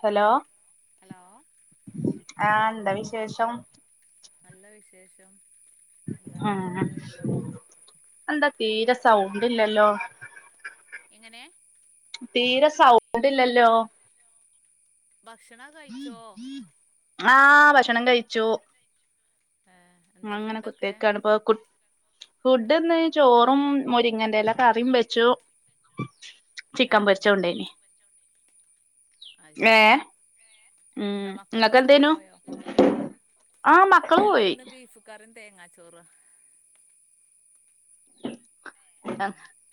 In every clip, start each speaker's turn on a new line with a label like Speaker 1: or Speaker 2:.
Speaker 1: Hello ആഹ എന്താ വിശേഷം
Speaker 2: നല്ല വിശേഷം
Speaker 1: ഉം എന്താ തീരെ സൗണ്ട്ല്ലല്ലോ
Speaker 2: എങ്ങനെ
Speaker 1: തീരെ സൗണ്ട്ല്ലല്ലോ
Speaker 2: ഭക്ഷണം കഴിച്ചോ
Speaker 1: ആ ഭക്ഷണം കഴിച്ചു ഞാൻ ഇങ്ങനെ കുത്തിരിക്കാണ് ഇപ്പ കു ഫുഡ്ന്ന് ചോറും മുരിങ്ങന്റെ എല കറിയും വെച്ചു ചിക്കൻ പൊരിച്ചതും ഉണ്ടായിനി
Speaker 2: അത് ശരി
Speaker 1: ഉം നിങ്ങക്ക് എന്തേനു ആ മക്കള് പോയി
Speaker 2: തേങ്ങാ ചോറ്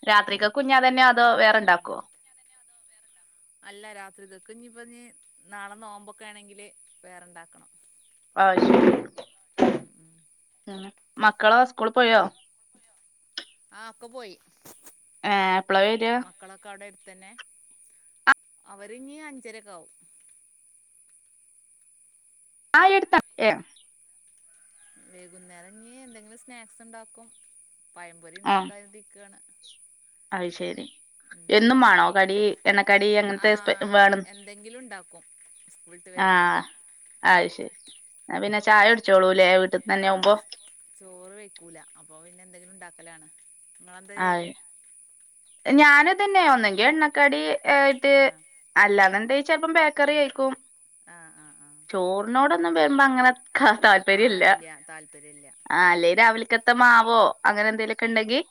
Speaker 1: രാത്രികക്കും ഞ്ഞതന്നെ അതോ വേറെണ്ടാക്കോ
Speaker 2: ഇന്ന് പ്പഞ്ഞ് നാളെ നോമ്പൊക്കെ ആണെങ്കില് വേറെണ്ടാക്കണം
Speaker 1: ആ അത് ശരി
Speaker 2: ഉം ഉം
Speaker 1: മക്കളോ സ്കൂള് പോയോ
Speaker 2: ആഹ ഒക്കെ പോയി
Speaker 1: ഏ എപ്പള വരിയാ
Speaker 2: തന്നെ അവര് ഇനി അഞ്ചരക്കെ ആവും
Speaker 1: ആയ എടുത്ത ഏ
Speaker 2: വൈകുന്നേരം ഇഞ്ഞ് എന്തെങ്കിലും സ്നാക്സ് ഉണ്ടാക്കും പയംപൊരി ഇണ്ടാക്കാര്തിക്കാണ്
Speaker 1: അത് ശരി എന്നും മാണോ കടി എണ്ണക്കടി അങ്ങനത്തെ്പ വേണം ആഹ ആത് ശരി പിന്നെ ചായ കുടിച്ചോളൂ
Speaker 2: ആഹ ചോറ് വെക്കൂല അപ്പൊ പിന്നെ എന്തെങ്കിലും ഉണ്ടാക്കലാണ് നിങ്ങളന്താ ചെയ്യല്
Speaker 1: ഞാന് തന്നെ ഒന്നെങ്കി എണ്ണക്കടി ട്ട് അല്ലാന്ന് എന്താ ചെലപ്പോ ബേക്കറി കഴിക്കും ചോറിനോടൊന്നും വരുമ്പോ അങ്ങനെ ആ താല്പര്യ ഇല്ല ആ അല്ലേ രാവിലെ ക്കത്ത മാവോ അങ്ങനെ എന്തെങ്കലുമൊക്കെ ഉണ്ടെങ്കിൽ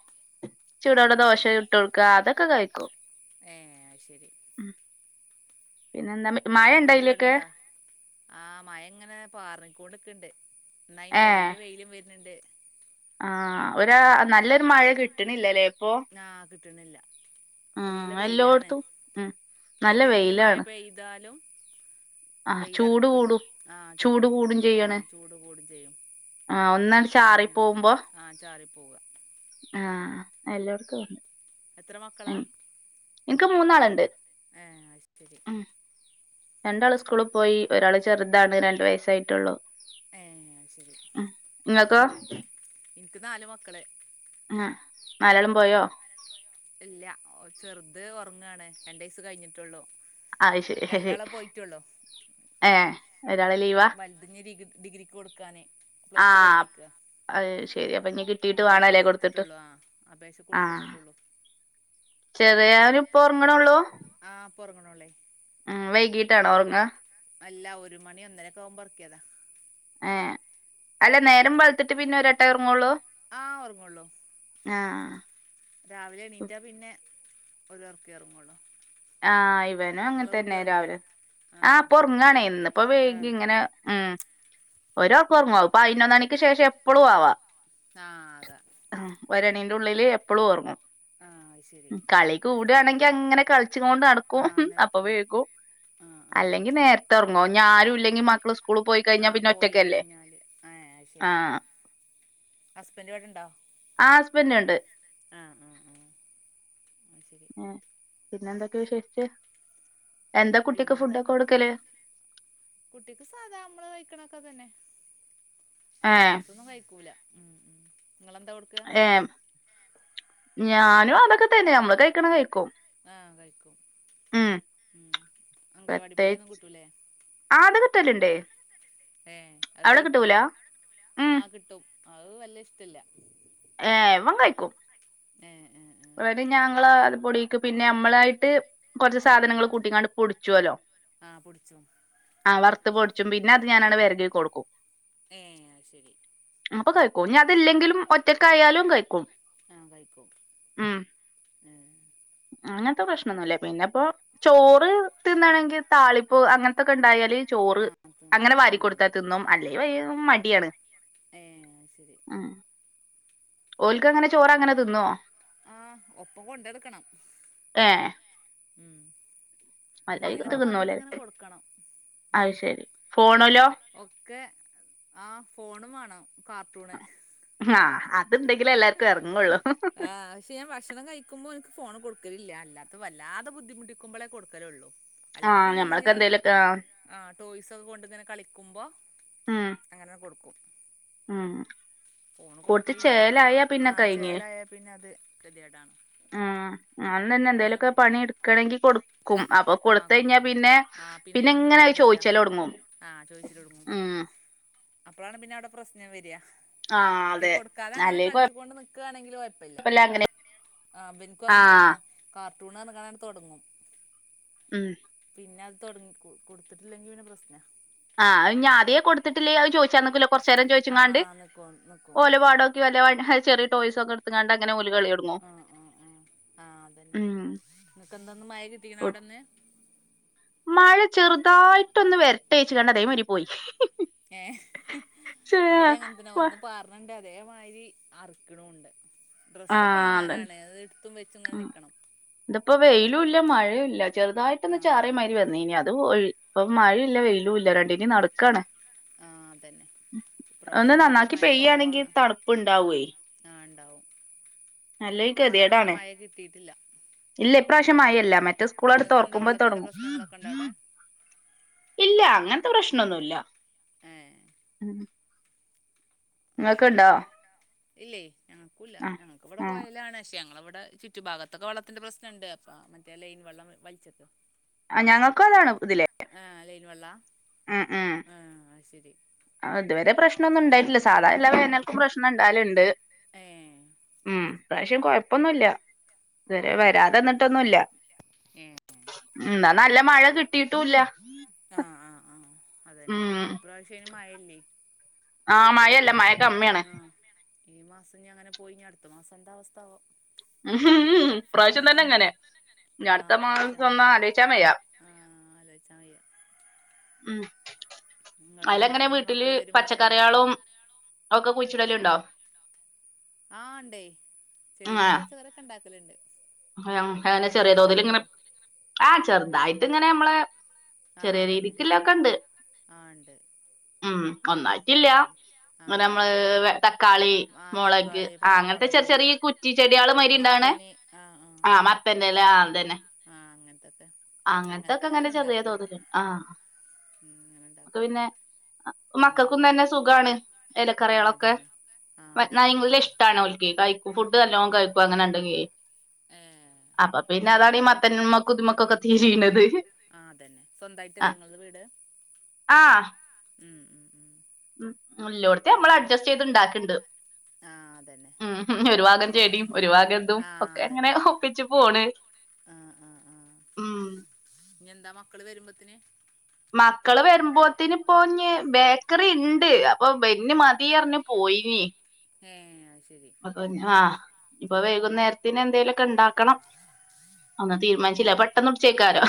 Speaker 1: ചൂടോടെ ദോശ ചുട്ട് കൊടുക്ക അതൊക്കെ കഴിക്കും
Speaker 2: ഹസ്ബൻഡ് ഇവിടെ ഇണ്ടോ ആ മഴ ഇങ്ങനെ പാറിക്കോണ്ടിക്കണ്ട് എന്നാ അയിന്റെ ഇടയിൽ വെയിലും വരുന്നുണ്ട്
Speaker 1: ആഹ ഒരു നല്ലൊരു മഴ കിട്ടണില്ലല്ലേ
Speaker 2: ആ കിട്ട്ണില്ല ഫുള്ള് വെയിലാണ് അതിന്റെ ഇടിൽ മഴ പെയ്താലും വെയിലറക്കണ്ട് ആഹ ചൂട് കൂടും ആഹ് ചൂട് കൂടും ചെയ്യും
Speaker 1: ആഹ ഒന്നങ്ങട്ട്ച്ചാറി പോകുമ്പോ ആഹ എല്ലോട്ത്തും ഉണ്ട്
Speaker 2: എത്ര മക്കളാ
Speaker 1: ഇക്ക് മൂന്നാളുണ്ട്
Speaker 2: ഏ അത് ശരി
Speaker 1: രണ്ടാള് സ്കൂളിൽ പോയി ഒരാള് ചെറുതാണ് രണ്ടു വയസ്സായിട്ടുള്ളു നിങ്ങക്കോ
Speaker 2: ഇക്ക് നാല് മക്കള്
Speaker 1: അ നാലാളും പോയോ
Speaker 2: ഇല്ല ചെറുത് ഉറങ്ങാണ് രണ്ട് വയസ്സ് കഴിഞ്ഞിട്ടുള്ളൂ
Speaker 1: അഹ് ശരി ശരി ഏ ഒരാള് ലീവാ
Speaker 2: ഡിഗ്രി കൊടുക്കാനെ
Speaker 1: ആഹ അത് ശരി അപ്പൊ ഞ്
Speaker 2: അപേക്ഷ കൊടുത്തിട്ടുള്ളു ആ അപേക്ഷ കൊടുത്തിട്ടിട്ടുള്ളൂ
Speaker 1: ചെറിയല് ഇപ്പോ ഉറങ്ങണള്ളൂ
Speaker 2: പുറങ്ങണോല്ലേ
Speaker 1: ഉം വൈകിട്ട ആണോറങ്ങ
Speaker 2: ഒരു മണി ഒന്നരൊക്കെകുമ്പോ ഒറക്കിയതാ
Speaker 1: ഏ അല്ല നേരം പളത്തിട്ട് പിന്നെ ഒട്ട ഇറങ്ങുള്ളൂ
Speaker 2: ആഹ് ഉറങ്ങള്ളൂ
Speaker 1: ആഹ
Speaker 2: രാവിലെ എണീറ്റാ പിന്നെ ഒരുരോർക്ക് റങ്ങോളൂ
Speaker 1: ആഹ അങ്ങനെ തന്നെ രാവിലെ ആഹ് പൊറങ്ങണേ ഇന്ന് ഇപ്പോ വൈഗി ഇങ്ങനെ ആ ഒരാൾക്ക് ഉറങ്ങും പ്പയിനന്നണിക്ക് ശേഷം എപ്പഴും ആവാം
Speaker 2: ആ അതെ
Speaker 1: ള്ളില് എപ്പഴും ഓറങ്ങും കളി കൂടണെങ്കിൽ അങ്ങനെ ക അച്ച കൊണ്ട് നടക്കും അപ്പൊ വേക്കും അല്ലെങ്കി നേരത്തെ ഇറങ്ങോ ഞ ആരു ഇല്ലെങ്കി മക്കള് സ്കൂളിൽ പോയി കഴിഞ്ഞാ പിന്നെ ഒറ്റക്കല്ലേ? ആഹ
Speaker 2: ഹസ്ബൻഡ പട് ഇണ്ടോ
Speaker 1: ആ ഹസ്ബൻറ് ഉണ്ട് ഏർ പിന്നെന്തൊക്കെയ വിശേഷിച്ച
Speaker 2: പിന്നെന്താ അങ്ങനെ പോണ കുട്ടിക്ക് സാധാ നമ്മള് കഴിക്കണൊക്കെ തന്നെ അല്ലാത്തൊന്നും കഴിക്കൂല നിങ്ങളെന്താ കൊടുക്ക
Speaker 1: ഞാനും അതൊക്കെ തന്നെ നമ്മള് കഴിക്കണം കഴിക്കോ
Speaker 2: ആഹ കഴിക്കും ഉ അംഗലവാടി പൊടിയൊന്നും കിട്ടൂല്ലേ
Speaker 1: ത്തലുണ്ടേ
Speaker 2: ഏ അത് കഴിക്കുവോ ആഹ കിട്ടും അത് വല്ല ഇഷ്ടില്ല
Speaker 1: ഏ എൻ കഴിക്കും അ ഞങ്ങള് പൊടിക്ക് പിന്നെ നമ്മളായിട്ട് കുറച്ച് സാധനങ്ങൾ കൂട്ടിങ്ങാണ്ട് പൊടിച്ചുവല്ലോ ആവർ ത്ത് പൊടിച്ചും പിന്നെ അത് ഞാനാണ് വിരകെ കൊടുക്കും
Speaker 2: ഏ ശരി
Speaker 1: അപ്പൊ കഴിക്കോ ഞ അതില്ലെങ്കിലും ഒറ്റക്കായാലും കഴിക്കും
Speaker 2: ആഹ കഴിക്കും ഉ
Speaker 1: അങ്ങനത്തെ പ്രശ്നമൊന്നുമല്ല പിന്നെപ്പോ ചോറ് തിന്നണമെങ്കിൽ താളിപ്പ അങ്ങനത്തൊക്കെ ഉണ്ടായാല് ചോറ് അങ്ങനെ വാരി കൊടുത്താ തിന്നും അല്ലേ മടിയാണ്
Speaker 2: ഏ ശരി
Speaker 1: ഓൽക്ക് അങ്ങനെ ചോറ അങ്ങനെ തിന്നോ
Speaker 2: ആഹ ഒപ്പം കൊണ്ടെടുക്കണം ഉം എന്തെങ്കിലൊക്കെ പറഞ്ഞിട്ട്ങ്ങനെ കൊടുക്കണം ഒക്കെ ആ ഫോണും വാണം കാർട്ടൂണ്
Speaker 1: ആ അത്ണ്ടങ്കിലേ എല്ലാർക്കു എറങ്ങൊള്ളൂ
Speaker 2: ക്കലില്ല അല്ലാത്ത വല്ലതെ ബദ്ധിമുട്ടിക്കുമ്പളെ കൊടുക്കലൊള്ളൂ
Speaker 1: ആ ഞമ്മൾക്ക് എന്തെലൊക്കാ
Speaker 2: ടോയ്സൊക്കെ കൊണ്ട്ങ്ങനെ കളിക്കുമ്പോ അങ്ങനെ കൊടുക്കും
Speaker 1: ഉം
Speaker 2: ഫോണ് കൊടുക്കലില്ല ആ ചേലായാ പിന്നെ അത് കെദേടാണ്
Speaker 1: ആ ആ ന്നന്നെ എന്തലൊക്കെ പണി ഇട്ക്കണെങ്കി കൊടുക്കും അപ്പൊ കൊടുത്തഴിഞ്ഞാ പിന്നെ പിന്നെങ്ങനെ അത് ചോയി ചെലൊട്ങ്ങും
Speaker 2: ആ ചോയ്ചലൊട്ങ്ങും അപ്പളാണ് പിന്നെ അടെ പ്രശ്നം വര മറ്റേ കൊടുക്കാതെങ്ങനെ കളിച്ചുകൊണ്ട് നിക്കാണെങ്കില് കൊയപ്പല്ല ആ ഇബൻക്കും അങ്ങൻതന്നെ കാർട്ടൂ ണ്റഞ്കാണ്ടാണ് തൊടങ്ങും
Speaker 1: ഉം
Speaker 2: പിന്നെ അത് തൊടങ്ങി കൊടുത്തിട്ട് ല്ലെങ്കി പിന്നെ പ്രശ്ന
Speaker 1: ആ അഹ്‌ഞ്ഞി ആദ്യേ കൊടുത്തിട്ടില്ലേ അത് ചോദിച്ചാ നി കൊറച്ചേരം ചോദിച്കാണ്ട് ഓലെ പാടോക്കെ വല്ല വ ചെറിയ ടോയ്സൊക്കെ ഇട്ത്ത്കാണ്ട് അങ്ങനെ ഓൽ കളിയൊടുങ്ങും ഉ
Speaker 2: ന്ന് മയ കിട്ടേക്ക്ണോ അഉടെന്ന്
Speaker 1: മഴ ചെറുതായിട്ടൊന്ന് വരറ്റേയ്ച്കാണ്ട് അതേമായിരി പോയി
Speaker 2: ഏ ഇവിടെ അങ്ങനെ തന്നെ ഒന്ന് പാറ്ണ്ണ്ടാ അതേമായിരി അറക്ക്ണുണ്ട് ഡ്രസ്സൊക്കെ ഒണങ്ങാനാണ് അത് ഇടുത്തും വെച്ചും ങ്ങനെ നിക്കണം
Speaker 1: വെയിലും ല്ല മഴുംല്ല ചെറുതായിട്ടൊന്ന് ചാറേമായിരി വന്നീനി അത് പോയി പ്പ മഴല്ല വെയിലുംല്ല രണ്ടിന്റേം നട്ക്കാണ്
Speaker 2: അതന്നെ ഇപ്രാവശ്യന്താലും മഴ കൊറവാണ് ആ ണ്ടാവും
Speaker 1: അല്ലെങ്കി കെദേടാണ് ഇല്ല ഇപ്രാവശ്യം മയല്ല മറ്റേ മറ്റേത് സ്കൂളാണ്ട് തൊറക്കുമ്പോ തൊടങ്ങും ഇല്ല അങ്ങൻ ത്ത പ്രശ്നൊന്നുല്ല [unintelligible] ഇങ്ങക്ക് ണ്ടോ
Speaker 2: ഇല്ലേ ഞങ്ങകൂല്യ ഞങ്ങക്ക ഇവിടെ കോയലാണ്ക്ഷേ ഞങ്ങളവിടെ ടെ ചുറ്റു ഭാഗത്തൊക്കെ വെള്ളത്തിന്റെ പ്രസ്നണ്ട് അപ്പോ മറ്റേ ലൈൻ വള്ളം വലിചപ്പോ
Speaker 1: ആ ഞങ്ങക്കതാണ് ഇതിലേ
Speaker 2: ആ ലൈൻ വള്ളാ
Speaker 1: ഉം ഉം
Speaker 2: അത് ശരി
Speaker 1: അ ഇതുവരെ പ്രശ്നൊന്നുംണ്ടായിട്ടില്ല സാധാരണ എല്ലാ വേനൽക്കും പ്രശ്നണ്ടാവല്ണ്ട് ഉം ഇപ്രാശ്യം കൊഴപ്പൊന്നുല്ല ഇത് വരെ വരാതന്ന്ട്ടൊന്നുല്ല ന്നാ നല്ല മഴ കിട്ടിട്ടുംല്ല
Speaker 2: ആആ ആ അതന്നെ ഇപ്രാശ്യയ്ന് മഴല്ലേ
Speaker 1: ആ മഴല്ല മയ കമ്മ്യാണ്
Speaker 2: ഈ മാസഞ്ഞിങ്ങനെ പോയി ഞട്ത്ത മാസന്താവസ്ഥാവോ
Speaker 1: മ് ഹും ഇപ്രാവശ്യം തന്നെങ്ങനെ ഞ്ഞിടുത്ത മാസൊന്നാലോയിച്ചാ വയ്യ
Speaker 2: അലോയ്‌ച്ചാൻ വയ്യ
Speaker 1: അയിലങ്ങെനെ വീട്ടില് പച്ചക്കറിയാളും ഒക്കെ കുഴിച്ചിടല്ണ്ടോ
Speaker 2: ആ ണ്ടേ ചെടികളും പച്ചക്കറിക്കെ ണ്ടാക്കല്ണ്ട്
Speaker 1: ആ എങ്ങനെ ചെറിതോതിൽ ഇങ്ങനെ ആ ചെറുതായിട്ട് ഇങ്ങനെ നമ്മളെ ചെറിയ രീതിക്ക്ല്ലൊക്കെണ്ട് ഉം ഒന്നായിട്ടില്ല ഇങ്ങനെ നമ്മള് തക്കാളി മൊളക് ആ അങ്ങനത്തെ ചെർ ചെറിയ കുറ്റി ചെടികള് മാരി ഇണ്ടാവണ ആ മറത്തന്റെല്ലേ ആ അതന്നെ
Speaker 2: ആ അങ്ങനത്തെ
Speaker 1: അങ്ങനത്തൊക്കെ ഇങ്ങനെ ചെറിയ തോതിൽ ആഹ് ക്കെ പിന്നെ മക്കൾക്കും തന്നെ സുഖാണ് ഇലക്കറികൾ ഒക്കെ വല്യ ഇഷ്ടാണ് ഓർക്ക് കഴിക്കും ഫു ല്ലോ കഴിക്ക അങ്ങനെ ഉണ്ടെങ്കിൽ അപ്പൊ പിന്നെ അതാണീ മത്തൻ കുതിമക്കൊക്കെ തിരീണന്നത്
Speaker 2: ആ അതന്നെ സ്വന്തായിട്ടല്ലേ നിങ്ങളുടെ വീട് ഉം ഉം ഉം
Speaker 1: ഉ ഇല്ലോടത്ത നമ്മള് അഡ്ജസ്റ്റ് ചെയ്ത് ഉണ്ടാക്കിണ്ട് ഉം ഒരു ഭാഗം ചേടിയും ഒരു ഭാഗം എന്തും ഒക്കെ എങ്ങനെ ഒപ്പിച്ച് പോണ് ഉം
Speaker 2: എന്താ മക്കള് വര്മ്പത്ത്ന്
Speaker 1: മക്കള് വര്മ്പോത്ത്ന് പ്പോ ഞ്ഞ് ബേക്കറിണ്ട് അത്പ്പൊ ബെന്ന് മതീ അർഞ്ഞ് പോ പാേയ്നീ
Speaker 2: ഏഹ് അയ്
Speaker 1: അപ്പം ആഹ് ഇപ്പൊ വെയ്കുന്നേര്ത്തിനെന്തേലൊക്കെ ണ്ടാക്കണം ഒന്നും തീര്മാൻച്ചില്ല അത് പെട്ടെന്നുട്ച്ചെയ്ക്കാരം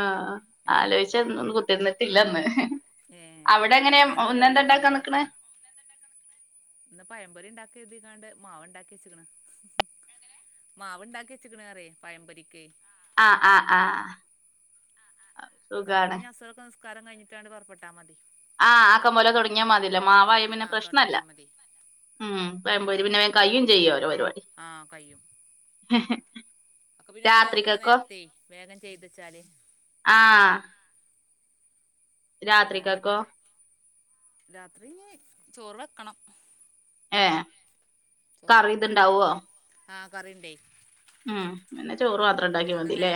Speaker 1: ആഹ് ആലോയ്ച്ചെന്നും ന്ന് കുത്തര്ന്ന്ട്ടില്ലന്ന് അവ്ടെ എങ്ങനെ ഒ ഒ ഇന്നെന്താണ്ടാക്കാ നിക്ക്ണെ
Speaker 2: ഇന്ന് പഴംപൊരിണ്ടാക്കാര്തിക്കാണ്ട് മാവ്ണ്ടാക്ക്യെച്ച്ക്ക്ണ് എങ്ങനെ മാവ്ണ്ടാക്ക്യെച്ച്ക്ക്ണ്റ്യേ പഴംപൊരിക്കേ
Speaker 1: ആഹ് ആഹ് ആഹ്
Speaker 2: ന്നാ പിന്നെ ഞ്ഞ്‌ അസറൊക്കെ നിസ്കാരം കയ്ഞ്ഞ്ട്ടാണ്ട് പൊറ്പ്പെട്ടാ മതി
Speaker 1: ആഹ് ആക്കം പോലെ തൊടങ്ങ്യാ മത്യെലോ മാവായേം പിന്നെ പ്രശ്നല്ലാ ഉം പഴംപൊരി പിന്നെ വേം കയ്യും ചെയ്യാേലോ പര്പാടി
Speaker 2: അക്കെ പിന്നെ ഓല് ഒറ്ങ്ങ്ണെ നേര്ത്തെ വേഗം ചെയ്തെച്ചാല്
Speaker 1: ആഹ് രാത്രികെക്കോ
Speaker 2: രാത്രി ഇഞ്ഞ് ചോറ് വെക്കണം
Speaker 1: ഏഹ് കറി ത്ണ്ടാവോ?
Speaker 2: ആ കറിണ്ടേ
Speaker 1: ആ പിന്നെ ചോറ് മാത്രണ്ടാക്കിയമതീലേ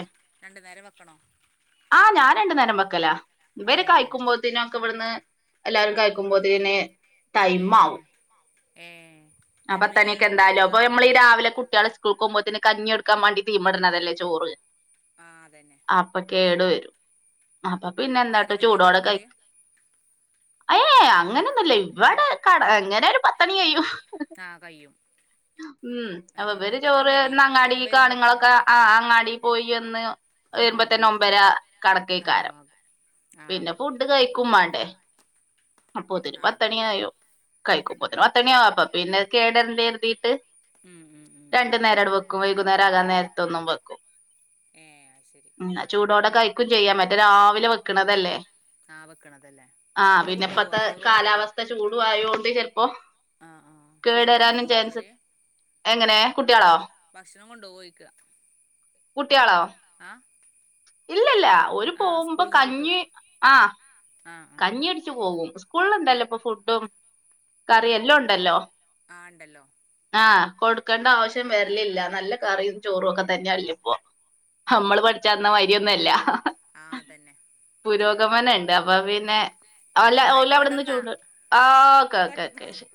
Speaker 1: ആ ഞാൻ രണ്ടു നേരം വെ ക്കലാ ഇവര് കയിക്കുമ്പോത്തിനൊക്കെവ്ടുന്ന് എല്ലാരും കയിക്കുമ്പോത്തിനെന്നെ ടൈമാവും അപ്പത്തന്നെക്കെന്താലും അപ്പൊ നമ്മളീ രാവിലെ കുട്ട്യോളെ സ്കൂൾക്കോമ്പത്തിന് കഞ്ഞി ഒടുക്കാൻ വേണ്ടി തീമട്ണതല്ലേ ചോറ് അപ്പൊ കേട് വ അപ്പൊ പിന്നെ എന്താട്ടാ ചൂടോടെ കയ് അയ് ഏ അങ്ങനൊന്നുല്ല ഇവടെ കട എങ്ങനേലും പത്തണി കയ്യും
Speaker 2: ആ കയും ഏ അങ്ങൻതന്നെ ഇവടീം
Speaker 1: അങ്ങാടീകാണുങ്ങളൊക്കെ ആ അങ്ങാടി പോയി ഒന്ന് വെരുമ്പൊത്തന്നെ ഒമ്പരാ കടക്കേക്കാരം പിന്നെ ഫുഡ് കഴിക്കും വാണ്ടേ അപ്പോത്തിനും പത്തണി കായും കഴിക്കുമ്പത്തിന് പത്തണിയാവും അപ്പ പ്പിന്നെ കേട് വെരണ്ടരുതീട്ട് രണ്ടു നേരണ്ട് വെക്ക ന്നേരാകാൻ നേരത്തൊന്നും വെക്കും ന്നാ ചൂടോടെ കയ് ക്കും ചെയ്യാ മറ്റെ രാവിലെ വെക്കണതല്ലേ ആ പിന്നെപ്പത്തെ കാലാവസ്ഥ ചൂടു ആയോണ്ട് ചെൽപ്പൊ കേടെരാനും ചാൻസ് എങ്ങനെ?
Speaker 2: ക്ഷണം കൊണ്ടുപോകോ ചൊയ്ക്ക
Speaker 1: കുട്ട്യാളോ
Speaker 2: [inaudible]
Speaker 1: ഇല്ലല്ല ഓല് പോകുമ്പം കഞ്ഞി ആ കഞ്ഞി ഉടിച്ചു പോകും സ്കൂളിലുണ്ടല്ലോ ഇപ്പം ഫുഡും കറി എല്ലാ ഉണ്ടല്ലോ
Speaker 2: ആ ഉണ്ടല്ലോ
Speaker 1: ആ കൊടുക്കേണ്ട ആവശ്യം വരലില്ല നല്ല കറിയും ചോറുഒക്കെ തന്നെ അല്ലിപ്പോ നമ്മള് പഠിച്ച് വന്ന വഴിയൊന്നുഅല്ല പുരോഗമനണ്ട് അപ്പൊ പി പിന്നെ ഓല് ഓല് അവിടന്ന് ചൂട് ആഹ് ഓക്കെ ഓക്കേ ഓക്കേ ശരി.